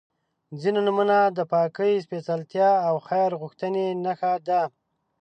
• ځینې نومونه د پاکۍ، سپېڅلتیا او خیر غوښتنې نښه ده.